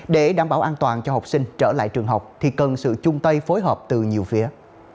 để đảm bảo an toàn cho học sinh trở lại trường học thì cần sự chung tay phối hợp từ nhiều phía